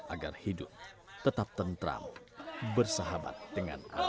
agar hidup tetap tentram bersahabat dengan alam